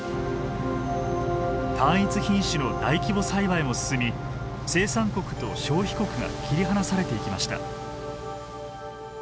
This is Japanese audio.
単一品種の大規模栽培も進み生産国と消費国が切り離されていきました。